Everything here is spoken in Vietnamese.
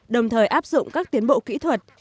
đồng thời áp dụng các tiến bộ kỹ thuật